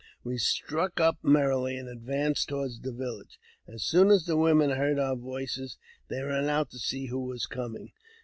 We struck up merrily, and advanced toward the village. As soon as the women heard our voices, they ran out to see who were ming.